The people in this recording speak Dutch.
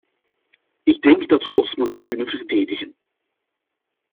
Ik denk dat we ons moeten kunnen verdedigen.